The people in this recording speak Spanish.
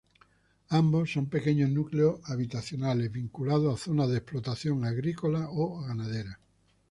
Ambos son pequeños núcleos habitacionales, vinculados a zonas de explotación agrícola o ganadera.